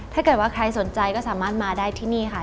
ถ้าเกิดว่าใครสนใจก็สามารถมาได้ที่นี่ค่ะ